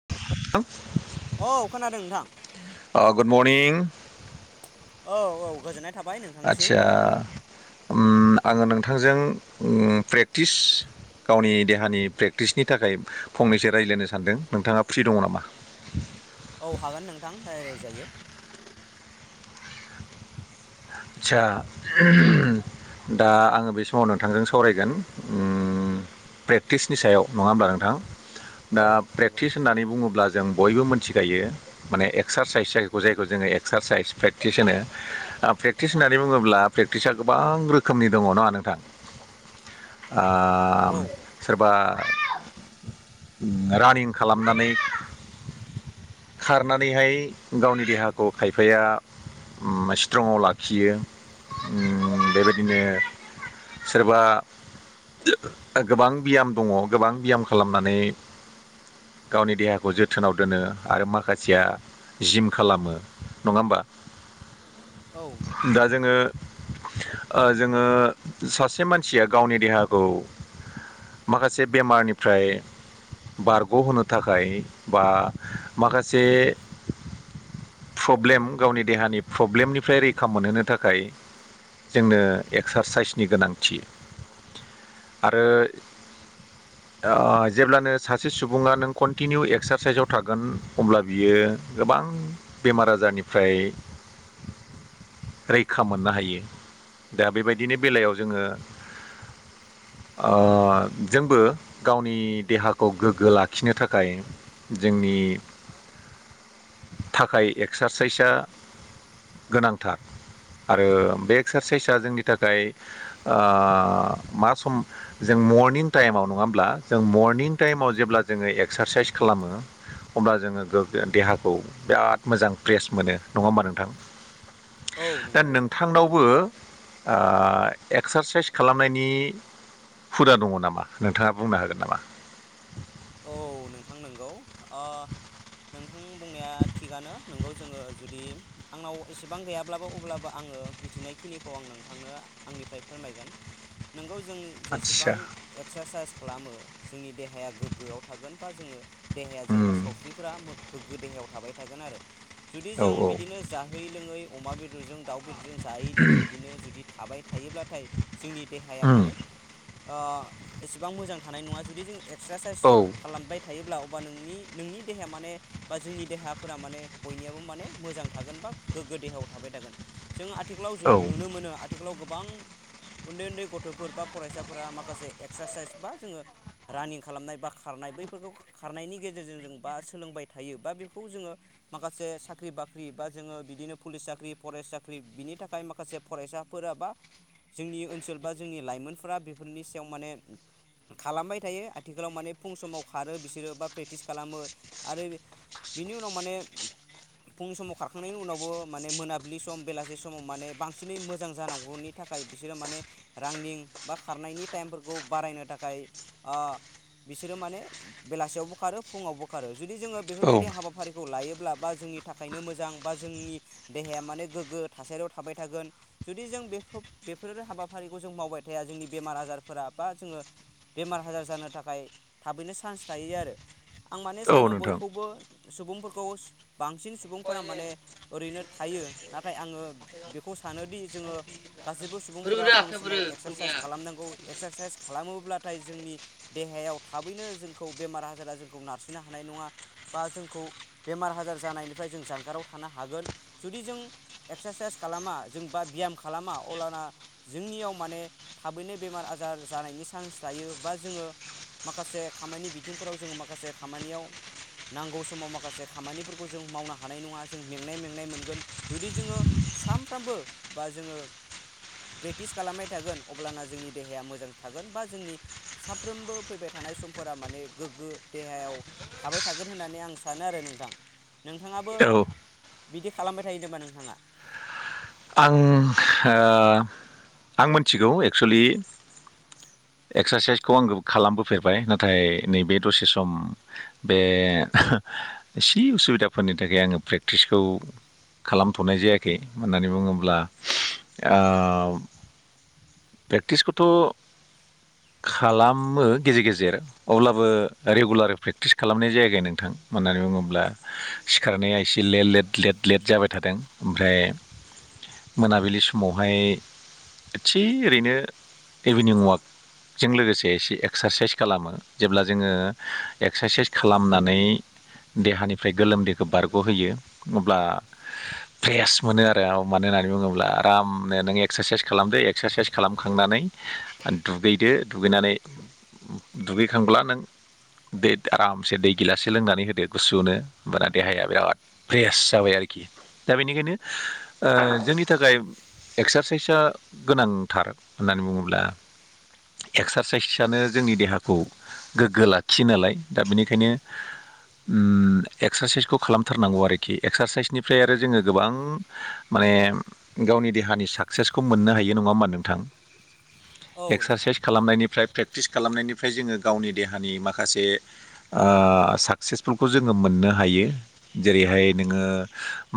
[unintelligible] औ खोनादों नोंथां। अ गुड मरनिं औ औ गोजोननाय था आतसा ओम आङो नोंथांजों ओ प्रेक्टिस गावनि देहानि प्रेक्टिसनि थाखाय फंनैसो रायज्लायनो सानदों नोंथाङा फ्रि दङ नामा? औ हागोन नोंथां रायलायजायो। आतसा [unintelligible] दा आङो बे समाव नोंथांजों सावरायगोन ओम प्रेक्टिसनि सायाव नङा होमब्ला नोंथां दा औ नंगौ प्रेक्टिस होननानै बुङोब्ला जों बयबो मोनथिखायो माने एक्सारसाइस जाय जायखौ जोङो एक्सारसाइस प्रेकटिस होनोे। ओ प्रेक टिस होननानै बुङोब्ला प्रेकटिसा गोबां रोखोमनि दङ नङा नोंथां ओ औ सोरबा [unintelligible] रानिं खालामनानै खारनानैहाय गावनि देहाखौ खायफाया ओम स्ट्रंआव ला खियो ओम बेबायदिनो सोरबा [unintelligible] गोबां बियाम दङ गोबां बियाम खालामनानै गावनि देहाखौ जोथोनाव दोनो आरो माखासेया जिम खालामो नङा होमबा औ नोंथां दा जोङो ओ जोङो सासे मानसिया गावनि देहाखौ माखासे बेमारनिफ्राय बारग'होनो थाखाय बा माखासे प्रब्लेम गावनि देहानि प्रब्लेमनिफ्राय रै खा मोनहोनो थाखाय जोंनो एक्सारसाइसनि गोनांथि आरो ओ जेब्लानो सासे सुबुङा नों कन्टिनिउ एक्सारसाइसाव थागोन अब्ला बियो गोबां आं बेमार आजारनिफ्राय रैखा मोननो हायो दा बेबायदिनि बेलायाव जोङो [inaudible] ओ जोंबो गावनि देहाखौ गोग्गो लाखिनो थाखाय जोंनि थाखाय एक्सारसाइसआ गोनां थार आरो बे एक्सारसाइसआ जोंनि थाखाय ओ मा सम जों मर्निं टाइमाव नङाब्ला जों मरनिं टाइमाव जेब्ला जोङो एक्सारसाइस खालामो अब्ला जोङो गोग्गो देहाखौ बिराद मोजां फ्रेस मोनो नङा होमबा नोंथां? औ दा नंगौ नोंथांनावबो ओ एक्सारसाइस खालामनायनि हुदा दङ नामा नोंथाङा बुंनो हागोन नामा? औ नोंथां नंगौ [unintelligible] नोंथां बुंनाया थिगानो। नोंगौ जोङो जुदि आंनाव एसेबां गैयाब्लाबो अब्लाबो आङो ओ मिथिनाय खिनिखौ आं नोंथांनो आंनिफ्राय फोरमायगोन। नोंगौ जों जेसेबां आदसा एक्सारसाइस खालामो जोंनि देहाया गोग्गोआव थागोन बा जोङो देहाया जोंना उम सावस्रिफोरा गोग्गो देहायाव थाबाय थागोन आरो जुदि औ जों औ बिदिनो जाहै लोङै अमा बेदरजों दाउ फोरजों जायै लोङै बिदिनो जुदि थाबाय थायोब्लाथाय जोंनि देहाया उम माने ओ एसेबां मोजां थानाय नङा। जुदि जों एक्सारसाइस औ खालामबाय थायोब्ला बा नोंनि नोंनि देहाया माने बा जोंनि देहाफोरा माने बयनियाबो माने मोजां थागोन बा गोग्गो देहायाव थाबाय थागोन। जों आथिखालाव जु औ नुनो मोनो आथिखालाव गोबां उन्दै उन्दै गथ'फोर बा फरायसाफोरा माखासे एक्सारसाइस बा जोङो रानिं खालामनाय बा खारनाय बैफोरखौ खारनायनि गेजेरजों जों बा सोलोंबाय थायो बा बेखौ जोङो माखासे साख्रि-बाख्रि बा जोङो बिदिनो पुलिस साख्रि फरेस्ट- साख्रि बिनि थाखाय माखासे फरायसाफोरा बा जोंनि ओनसोल बा जोंनि लाइमोनफोरा बेफोरनि सायाव माने खालामबाय थायो आथिखालाव माने फुं समाव खारो बिसोरो बा प्रेक्टिस खालामो। आरो बिनि उनाव माने फुं समाव खारखांनायनि उनावबो माने मोनाबिलि सम बेलासि समाव माने बांसिनै मोजां जानांगौनि थाखाय थाखाय बिसोरो माने रांनिं बा खारनायनि टाइमफोरखौ बारायनो थाखाय बिसोरो माने बेलासियावबो खारो फुङावबो खारो। जुदि जोङो औ बेफोरबायदि हाबाफारिखौ लायो- लाब्बा जोंनि थाखायनो मोजां बा जोंनि देहाया माने गोग्गो थासारियाव थाबाय थागोन। जुदि जों जों बेखौ बेफोर हाबाफारिखौ जों मावबाय थाया जोंनि बेमार आजारफोरा बा जोङो बेमार आजार जानो थाखाय थाबैनो चान्स थायो आरो। आं माने औ सानो नोंथां बयखौबो सुबुंफोरखौ बांसिन सुबुंफोरा माने ओरैनो थायो नाथाय आङो बेखौ सानोदि जोङो गासैबो सुबुंफोरा फुं समाव एक्सारसाइस खालामनांगौ एक्सारसाइस खालामोब्ला नाथाय जोंनि देहायाव थाबैनो जोंखौ बेमार आजारा जों- नारसिनो हानाय नङा बा जोंखौ बेमार आजार जानायनिफ्राय जों जानगाराव थानो हागोन। जु- जुदि जों एक्सारसाइस खालामा जों बा बियाम खालामा अब्लाना जोंनियाव माने था- थाबैनो बेमार आजार जानायनि चान्स थायो बा जोङो माखासे खामानि बिथिंफोराव जोङो म- माखासे खामानियाव नांगौ समाव माखासे खामानिफोरखौ जों मावनो हानाय नङा जों मेंनाय मेंनाय मोनगोन। जुदि जोङो सानफ्रामबो बा जोङो प्रेक्टिस खालामबाय थागोन अब्लाना जोंनि देहाया मोजां थागोन बा जोंनि साफ्रोमबो फैबाय था- थानाय समफोरा माने गोग्गो देहायाव थाबाय थागोन होननानै आं सानो आरो नोंथां। नोंथाङाबो औ आं ओ बिदि खालामबाय थायो नामा नोंथाङा? आं ओ आं मिथिगौ एक्सुुलि एक्सारसाइसखौ आङो खालामबोफेरबाय। नाथाय नैबे दसे सम बे एसे उसुबिदाफोरनि थाखाय आङो प्रेक्टिसखौ खालामथ'नाय जायाखै। होननानै बुङोब्ला ओ प्रेकटिसखौथ' खालामो गेजेर गेजेर अब्लाबो रेगुलार प्रेक्टिस खालामनाय जायाखै नोंथां। मानो होननानै बुङोब्ला सिखारनाया एसे ले ले लेट लेट जाबाय थादों। ओमफ्राय मोनाबिलि समावहाय थि ओरैनो इभिनिं वाक जों लोगोसे एसे एक्सारसाइस खालामो। जेब्ला जोङो एक्सारसाइस खालामनानै देहानिफ्राय गोलोमदैखौ बारग'होयो अब्ला फ्रेस मोनो आरो मानो होननानै बुङोब्ला आरामनो नों एक्सारसाइस खालामदो एक्सारसाइस खालामखांनानै दुगैदो दुगैनानै दुगैखांब्ला नों दै आरामसे दै गिलासे लोंनानै होदो गुसुनो होमबाना देहाया बिराद फ्रेस जाबाय आरोखि। दा बेनिखायनो ओ जोंनि थाखाय एक्सारसाइसआ गोनांथार होननानै बुङोब्ला एक्सारसाइसआनो जोंनि देहाखौ गोग्गो लाखियो नालाय दा बेनिखायनो ओम एक्सारसाइसखौ खालामथारनांगौ आरोखि एक्सारसाइसनिफ्राय आरो जोङो गोबां मा ने गावनि देहानि साक्सेसखौ मोननो हायो। बेयो नङा होमबा नोंथां औ नोंथां एक्सारसाइस खालामनायनिफ्राय प्रेक्टिस खालामनायनिफ्राय जोङो गावनि देहानि माखासे ओ साक्सेसफुलखौ जोङो मोननो हायो जेरैहाय नोङो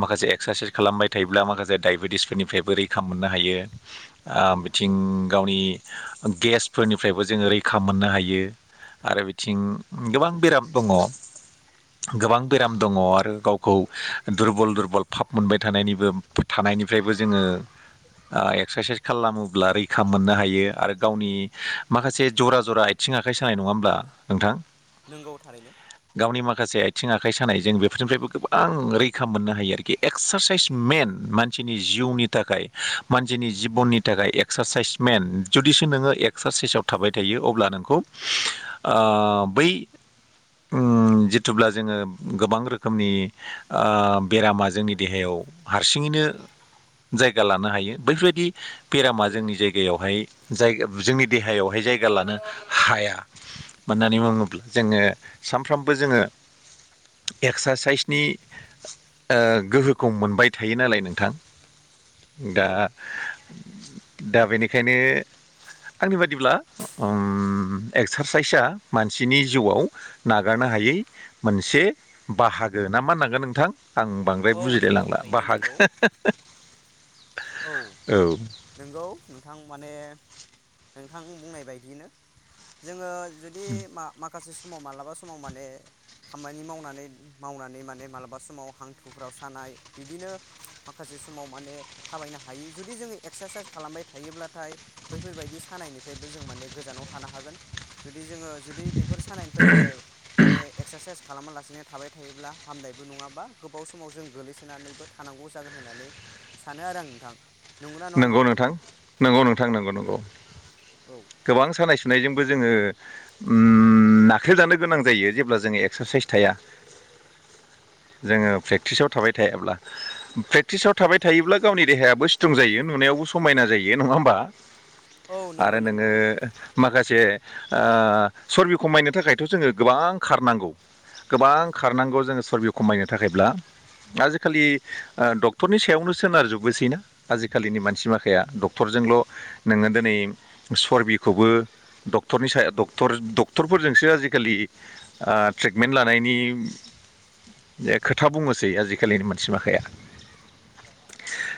माखासे एक्सारसाइस खालामबाय थायोब्ला माखासे दायबेटिसफोर निफ्रायबो रैखा मोननो हायो। ओ बिथिं गावनि गेसफोरनिफ्रायबो जोङो रैखा मोननो हायो। आरो बिथिं गोबां बेराम दङ। गोबां बेराम दङ आरो गावखौ दुरबल दुरबल फाब मोनबाय थानायनिबो थाब नायनिफ्रायबो जोङो ओ एक्सारसाइस खालामोब्ला रैखा मोननो हायो आरो गावनि माखासे जरा जरा आथिं आखाइ सानाय नङा नङा होमब्ला नोंथां? नंगौ थारैनो। गावनि माखासे आथिं आखाइ सानाय जों बेफोरनिफ्रायबो गोबां रैखा मोननो हायो आरोखि एक्सारसाइस मेन मानसि नि जिउनि थाखाय। जोंनि जिबननि थाखाय एक्सारसाइस मेन जुदिसो नोङो एक्सारसाइसआव थाबाय थायो अब्ला नोंखौ ओ बै उम जिथुबब्ला जोङो गोबां रोखोमनि ओ बेरामा जोंनि देहायाव हारसिङैनो जायगा लानो हायो बैफोरबायदि बेरामा जोंनि जायगायावहाय जाया जोंनि देहायावहाय जायगा लानो ह हाया मानो होननानै बुङोब्ला जोङो सानफ्रामबो जोङो एक्सारसाइसनि ओ गोहोखौ मोनबाय थायो नालाय नोंथां। दा औ दा बेनिखायनो आंनि बादिब्ला ओम एक्सारसाइसआ मानसिनि जिउआव नागारनो हायै मोनसे बाहागो। ना मानांगोन नोंथां आं बांद्राय औ नोंगौ बुजिलायलांला थारैनो नोंगौ बाहागो। औ नंगौ नोंथां माने नोंथां बुंनाय बायदियैनो जोङो जुदि मा माखासे समाव माब्लाबा समाव माने खामानि मावनानै मावनानै माने मालाबा समाव हांथुफ्राव सानाय बिदिनो माखासे बे समाव माने थाबायनो हायि जुदि जोङो एक्सारसाइस खालामबाय थायोब्लाथाय बैफोरबायदि सानायनिफ्रायबो जों माने गोजानाव थानो हागोन जुदि जोंओ जुदि बेफोर सानायनिफ्राय जोंओ माने एक्सारसाइस खालामालासिनो थाबाय थायोब्ला हामनायबो नङाबा गोबाव समाव जों गोग्लैसोनानैबो थानांगौ जागोन होननानै सानो आरो आं नोंथां। नंगौना नङा नंगौ नोंथां नंगौ नोंथां नंगौ नंगौ। औ गोबां सानाय सु सुनायजोंबो जोङो उम नाख्रेबजानो गोनां जायो जेब्ला जोङो एक्सारसाइस थाया। [inaudible] जोङो प्रेक्टिसाव थाबाय थायाब्ला प्रेक्टिसाव थाबाय थायोब्ला गावनि देहायाबो स्ट्रं जायो। नुनायावबो समायना जायो नंआ होमबा औ आरो नंगौ नोंओ नंगौ माखासे जे ओ सरबि खमायनो थाखायथ' जोङो गोबां खारनांगौ। गोबां खारनांगौ जोङो सरबि खमायनो थाखायब्ला। आजिखालि ओ डक्टरनि सायावनो सोनार जुबोसैना आजि आथि खालिनि मानसि माखाया डक्टरजोंल' नोङो दिनै सबिखौबो डक्टरनि ड डक्टरफोरजोंसो आजिखालि ट्रिटमेन्ट लानायनि जे खोथा बुङनोसै आजिखालिनि मोनसि माखाया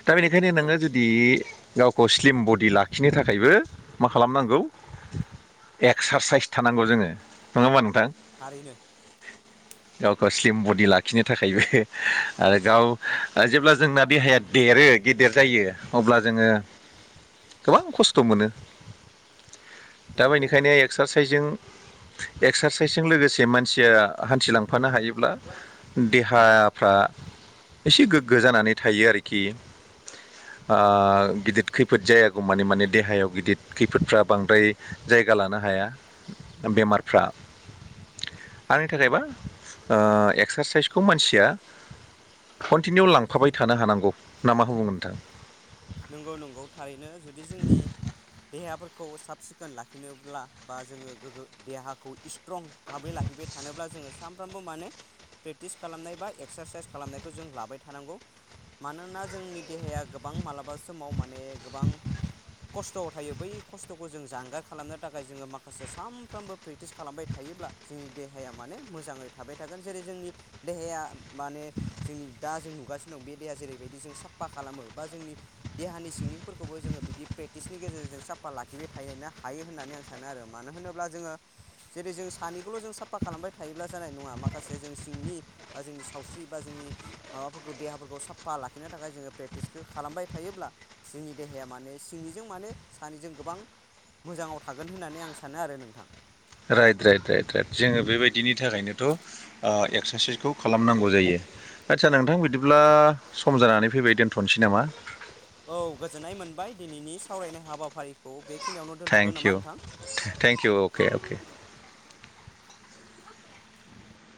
दा औ बेखायनोो गावखौ स्लिम बडि लाखिनो थाखायबो मा खालामनांगौ एक्सारसाइस थानांगौ जोङो नङा मोनगोन थारैनो गाव गाव स्लिम बडि लाखिनो थाखायबो आरो गाव औ जेब्ला जोंना देहाया देरो गेदेर जायो अब्ला जोङो गोबां खस्थ' मोनो दा नंगौ बेनिखायनो एक्सारसाइसजों एक्सारसाइसजों लोगोसे मानसिया हान्थिलांफानो हायोब्ला देहाफ्रा से गोगो जानानै थायो आरोखि गिदिर खैफोद जायागौ माने माने देहायाव गिदिर खैफोदफ्रा बांद्राय जायगा लानो हायो बेमारफ्रा आंनि थाखायबा एक्सारसाइसखौ मानसिया कन्टिनिउ लांफाबाय थानो हानांगौ नामा होनो नोंथां नंगौ नंगौ थारैनो जुदि जोंनि देहाफोरखौ साब सिखोन लाखिनोब्ला बा जोङो गोगो देहाखौ स्ट्रं भाबै लाखि थिबाय थानोब्ला जोङो सानफ्रामबो माने प्रेक्टिस खालामनाय बा एक्सारसाइस खालामनायखौ जों लाबाय थानांगौ मानोना जोंनि देहाया गोबां मालाबा समाव माने गोबां खस्थ'आव थायो बै खस्थ'खौ जों जानगार खालामनो थाखाय जोङो माखासे सानफ्रोमबो प्रेक्टिस खालामबाय थायो थायोब्ला जोंनि देहाया माने मोजाङै थाबाय थागोन जेरै जोंनि देहाया माने जोंनि दा जों नुगासिनो दं बे देहा जेरैबायदि जों साफा खालामो बा जोंनि देहानि सिंनिफोरखौबो जोङो बिदि प्रेक्टिसनि गेजेरजों साफा लाखिबाय थायोा हायो होननानै आं सानो आरो मानो मानो होनोब्ला जोङो जेरै जों सानैखौल' जों साफा खालामबाय थायोब्ला जानाय नङा माखासे जों सिंनि बा जोंनि सावस्रि बा जोंनि माबाफोरखौ देहाफोरखौ साफा लाखिनो थाखाय जोङो प्रेक्टिसखौ खालामबाय थायोब्ला जोंनि देहाया माने सिंनिजों माने सानैजों गोबां मोजाङाव थागोन होननानै आं सानो आरो नोंथां राइट राइट राइट राइट जोङो बेबायदिनि थाखायनोथ' एक्सारसाइसखौ खालामनांगौ जायो आदसा नोंथां बिदिब्ला सम जानानै फैबाय दोन्थ'नोसै नामा औ गोजोननाय मोनबाय दिनैनि सावरायनाय हाबाफारिखौ बे thank you thank you okay okay